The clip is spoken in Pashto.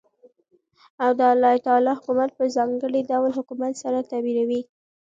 او دالله تعالى حكومت په ځانګړي ډول حكومت سره تعبيروي .